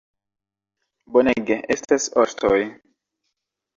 Bonege, estas ostoj